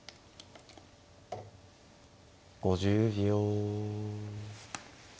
５０秒。